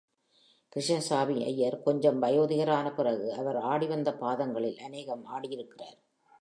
கிருஷ்ணசாமி ஐயர் கொஞ்சம் வயோதிகரான பிறகு, அவர் ஆடிவந்த பாகங்களில் அநேகம் ஆடியிருக்கிறார்.